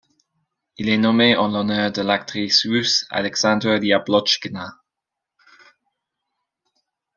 Il est nommé en l'honneur de l'actrice russe Aleksandra Yablochkina.